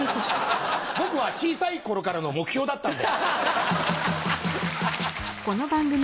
僕は小さい頃からの目標だったんで。